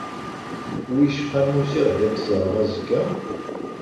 Wicqa ma usiɣ-d ad k-ẓreɣ azekka?